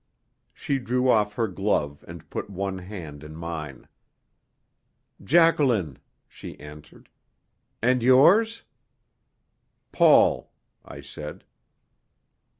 She drew off her glove and put one hand in mine. "Jacqueline," she answered. "And yours?" "Paul," I said.